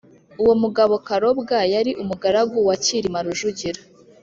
uwo mugabo karobwa yari umugaragu wa cyilima rujugira,